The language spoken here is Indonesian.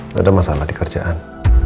tidak ada masalah di kerjaan